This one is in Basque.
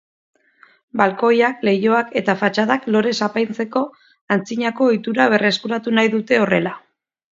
Balkoiak, leihoak eta fatxadak lorez apaintzeko antzinako ohitura berreskuratu nahi dute horrela.